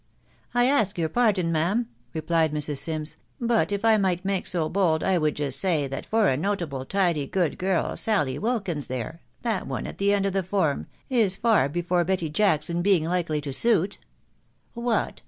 " I ask your pardon, ma'am," replied Mrs. Sims ; <f but if I might make so bold, J would just say, that for a notable, tidy, good girl, Sally Wilkins there, that one at the end of the form, is far before Betty Jacks in being likely to suit/' " What